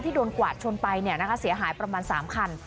ที่โดนกวาดชนไปเนี่ยนะคะเสียหายประมาณ๓คัน